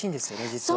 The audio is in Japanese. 実は。